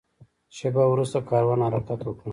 شېبه وروسته کاروان حرکت وکړ.